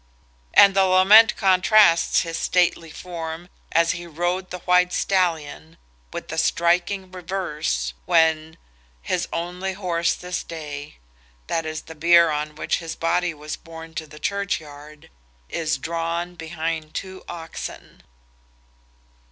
And the lament contrasts his stately form as "he rode the white stallion," with the striking reverse when, "his only horse this day"—that is the bier on which his body was borne to the churchyard—"is drawn behind two oxen."